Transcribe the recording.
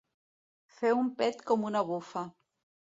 Fer un pet com una bufa.